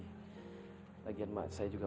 mana uangnya cepat kembalikan